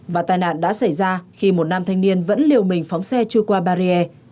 và tai nạn đã xảy ra khi một nam thanh niên vẫn liều mình phóng xe chui qua barrier